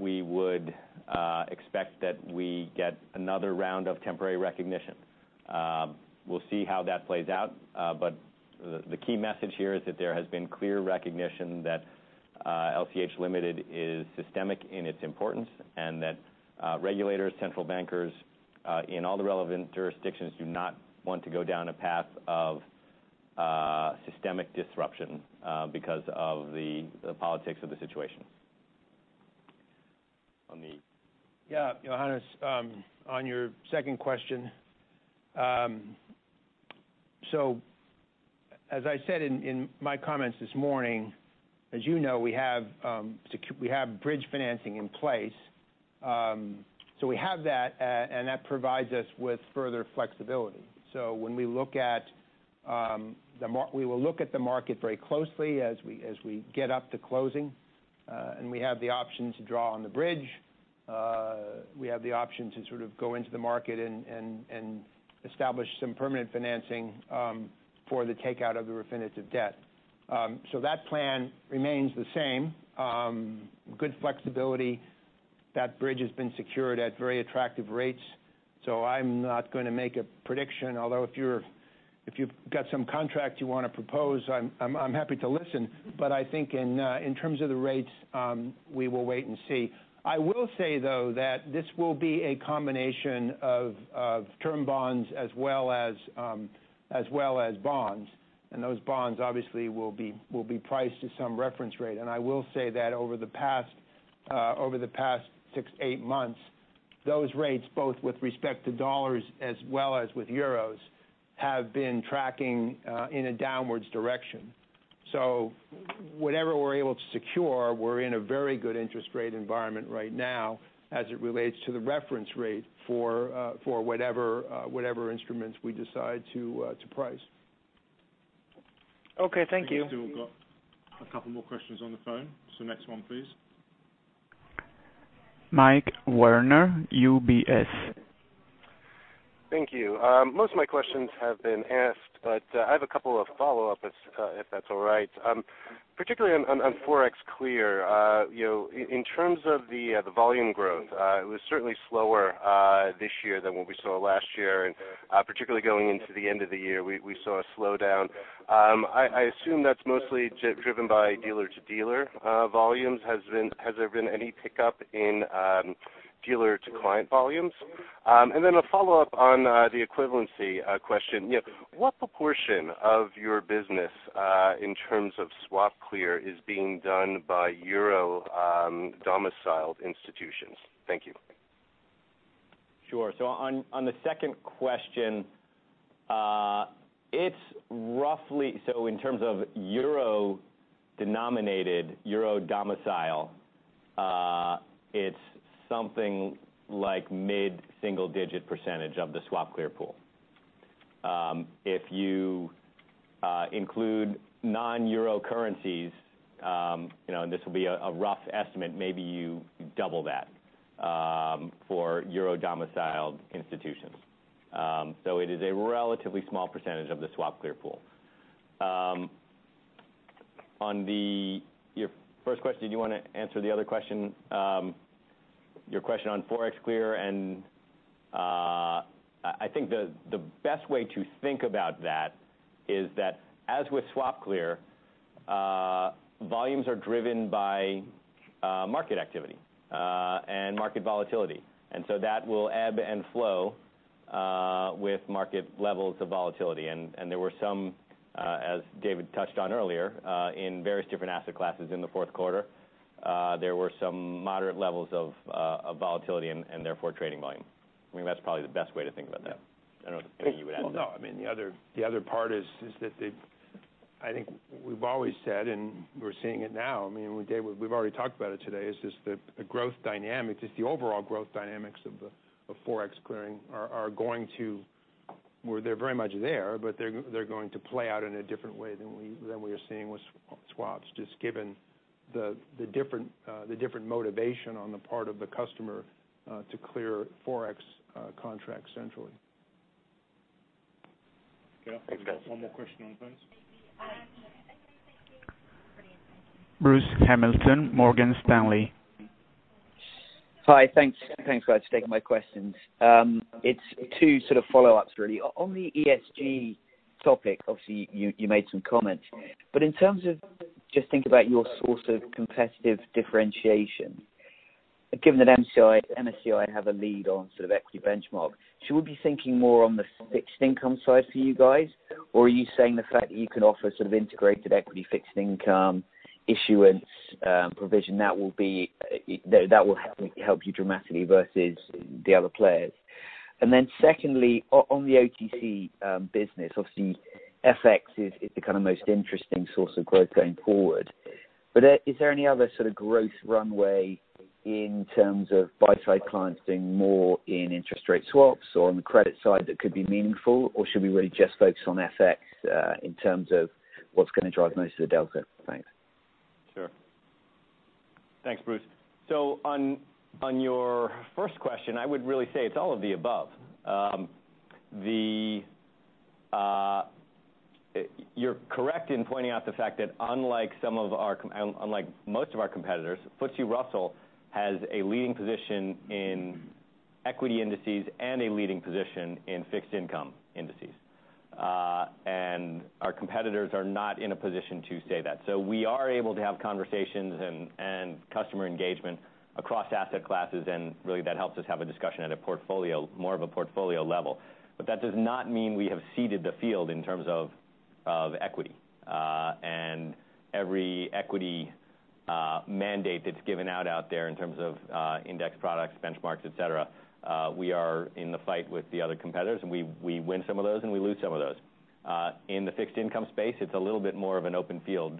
we would expect that we get another round of temporary recognition. We'll see how that plays out. The key message here is that there has been clear recognition that LCH Limited is systemic in its importance and that regulators, central bankers, in all the relevant jurisdictions do not want to go down a path of systemic disruption because of the politics of the situation.
Johannes, on your second question. As I said in my comments this morning, you know, we have bridge financing in place. We have that provides us with further flexibility. We will look at the market very closely as we get up to closing. We have the option to draw on the bridge. We have the option to go into the market and establish some permanent financing for the takeout of the Refinitiv debt. That plan remains the same. Good flexibility. That bridge has been secured at very attractive rates. I'm not going to make a prediction, although if you've got some contract you want to propose, I'm happy to listen. I think in terms of the rates, we will wait and see. I will say, though, that this will be a combination of term bonds as well as bonds, and those bonds obviously will be priced to some reference rate. I will say that over the past six to eight months, those rates, both with respect to USD as well as with EUR, have been tracking in a downwards direction. Whatever we're able to secure, we're in a very good interest rate environment right now as it relates to the reference rate for whatever instruments we decide to price.
Okay. Thank you.
I think we've still got a couple more questions on the phone. Next one, please.
Mike Werner, UBS.
Thank you. Most of my questions have been asked, but I have a couple of follow-ups, if that's all right. Particularly on ForexClear, in terms of the volume growth, it was certainly slower this year than what we saw last year, and particularly going into the end of the year, we saw a slowdown. I assume that's mostly driven by dealer-to-dealer volumes. Has there been any pickup in dealer-to-client volumes? Then a follow-up on the equivalency question. What proportion of your business, in terms of SwapClear, is being done by euro-domiciled institutions? Thank you.
Sure. On the second question, in terms of euro-denominated, euro domicile, it's something like mid-single-digit percentage of the SwapClear pool. If you include non-euro currencies, and this will be a rough estimate, maybe you double that for euro-domiciled institutions. It is a relatively small percentage of the SwapClear pool. On your first question, do you want to answer the other question, your question on ForexClear? I think the best way to think about that is that as with SwapClear, volumes are driven by market activity and market volatility. That will ebb and flow with market levels of volatility. There were some, as David touched on earlier, in various different asset classes in the fourth quarter, there were some moderate levels of volatility, and therefore, trading volume. I mean, that's probably the best way to think about that. I don't know anything you would add.
Well, no. I mean, the other part is that I think we've always said, and we're seeing it now, I mean, with David, we've already talked about it today, is just the growth dynamics, just the overall growth dynamics of Forex clearing, they're very much there, but they're going to play out in a different way than we are seeing with swaps, just given the different motivation on the part of the customer to clear Forex contracts centrally.
Thanks, guys.
One more question on the phones.
Bruce Hamilton, Morgan Stanley.
Hi. Thanks, guys, for taking my questions. It's two sort of follow-ups, really. On the ESG topic, obviously, you made some comments, in terms of just think about your source of competitive differentiation, given that MSCI have a lead on sort of equity benchmark, should we be thinking more on the fixed income side for you guys? Are you saying the fact that you can offer sort of integrated equity, fixed income issuance provision, that will help you dramatically versus the other players? Secondly, on the OTC business, obviously, FX is the kind of most interesting source of growth going forward. Is there any other sort of growth runway in terms of buy-side clients doing more in interest rate swaps or on the credit side that could be meaningful, or should we really just focus on FX, in terms of what's going to drive most of the delta? Thanks.
Sure. Thanks, Bruce. On your first question, I would really say it's all of the above. You're correct in pointing out the fact that unlike most of our competitors, FTSE Russell has a leading position in equity indices and a leading position in fixed income indices. Our competitors are not in a position to say that. We are able to have conversations and customer engagement across asset classes, and really that helps us have a discussion at more of a portfolio level. That does not mean we have seeded the field in terms of equity. Every equity mandate that's given out there in terms of index products, benchmarks, et cetera, we are in the fight with the other competitors, and we win some of those, and we lose some of those. In the fixed income space, it's a little bit more of an open field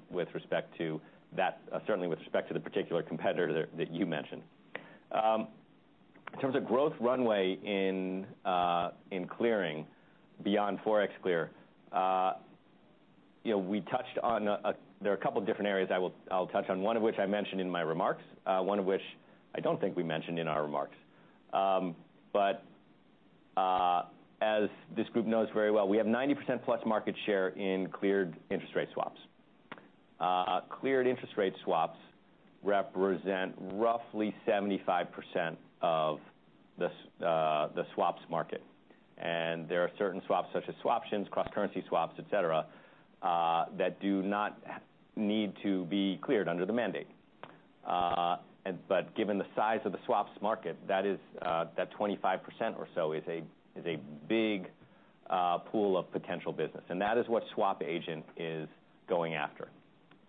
certainly with respect to the particular competitor that you mentioned. In terms of growth runway in clearing beyond ForexClear, there are a couple of different areas I'll touch on, one of which I mentioned in my remarks, one of which I don't think we mentioned in our remarks. As this group knows very well, we have 90%+ market share in cleared interest rate swaps. Cleared interest rate swaps represent roughly 75% of the swaps market. There are certain swaps such as swaptions, cross-currency swaps, et cetera, that do not need to be cleared under the mandate. Given the size of the swaps market, that 25% or so is a big pool of potential business. That is what SwapAgent is going after.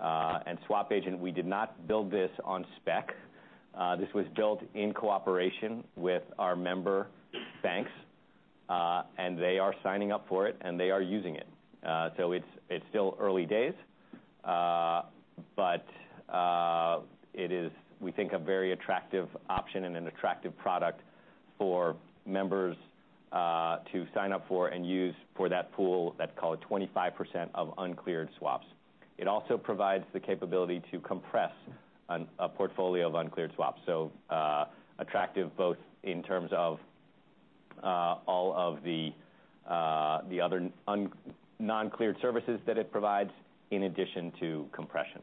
SwapAgent, we did not build this on spec. This was built in cooperation with our member banks, and they are signing up for it, and they are using it. It is still early days, but it is, we think, a very attractive option and an attractive product for members to sign up for and use for that pool, let's call it 25% of uncleared swaps. It also provides the capability to compress a portfolio of uncleared swaps. Attractive both in terms of all of the other non-cleared services that it provides in addition to compression.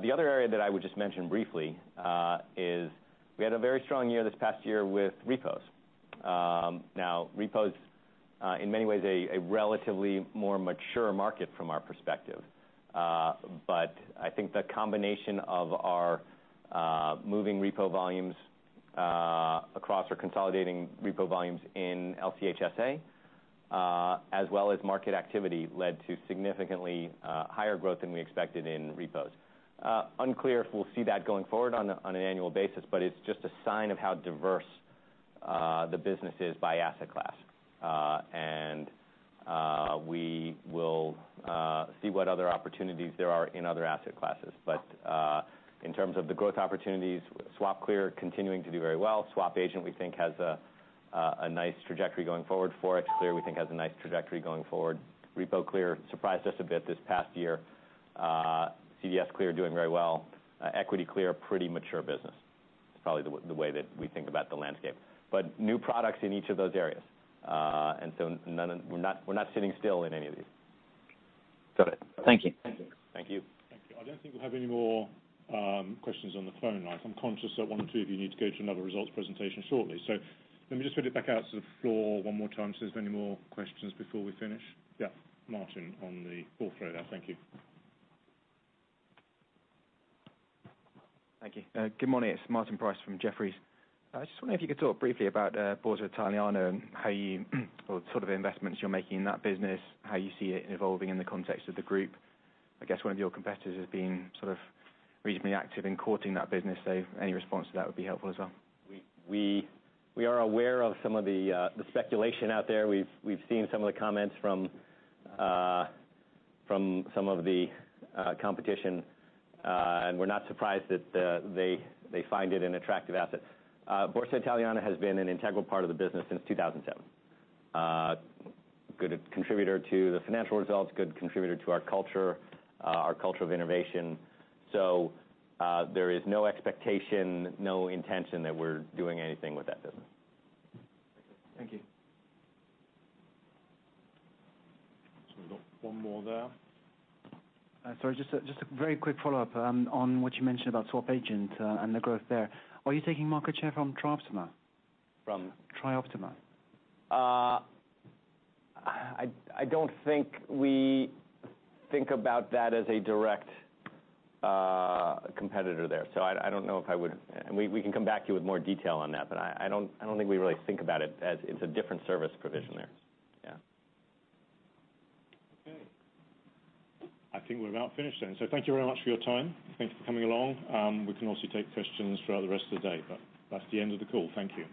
The other area that I would just mention briefly is we had a very strong year this past year with repos. Now, repos, in many ways, a relatively more mature market from our perspective. I think the combination of our moving repo volumes across or consolidating repo volumes in LCH SA as well as market activity led to significantly higher growth than we expected in repos. Unclear if we'll see that going forward on an annual basis, but it's just a sign of how diverse the business is by asset class. We will see what other opportunities there are in other asset classes. In terms of the growth opportunities, SwapClear continuing to do very well. SwapAgent, we think has a nice trajectory going forward for it. Clear, we think has a nice trajectory going forward. RepoClear surprised us a bit this past year. CDSClear doing very well. EquityClear, pretty mature business. It's probably the way that we think about the landscape. New products in each of those areas. So we're not sitting still in any of these.
Got it. Thank you.
Thank you.
Thank you. I don't think we'll have any more questions on the phone now. I'm conscious that one or two of you need to go to another results presentation shortly. Let me just put it back out to the floor one more time to see if there's any more questions before we finish. Yeah, Martin on the fourth row there. Thank you.
Thank you. Good morning. It's Martin Price from Jefferies. I just wonder if you could talk briefly about Borsa Italiana and how you, or sort of the investments you're making in that business, how you see it evolving in the context of the group. I guess one of your competitors has been sort of reasonably active in courting that business. Any response to that would be helpful as well.
We are aware of some of the speculation out there. We've seen some of the comments from some of the competition. We're not surprised that they find it an attractive asset. Borsa Italiana has been an integral part of the business since 2007. Good contributor to the financial results, good contributor to our culture, our culture of innovation. There is no expectation, no intention that we're doing anything with that business.
Thank you.
We've got one more there.
Sorry, just a very quick follow-up on what you mentioned about SwapAgent and the growth there. Are you taking market share from TriOptima?
From?
TriOptima.
I don't think we think about that as a direct competitor there. I don't know if I would We can come back to you with more detail on that, but I don't think we really think about it as it's a different service provision there. Yeah.
Okay. I think we're about finished then. Thank you very much for your time. Thank you for coming along. We can also take questions throughout the rest of the day, but that's the end of the call. Thank you.